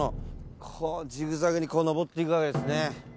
こうジグザグに上っていくわけですね。